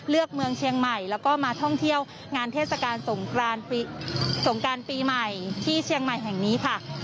เมืองเชียงใหม่แล้วก็มาท่องเที่ยวงานเทศกาลสงกรานสงการปีใหม่ที่เชียงใหม่แห่งนี้ค่ะ